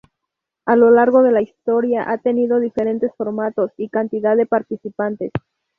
A lo largo de la historia ha tenido diferentes formatos y cantidad de participantes.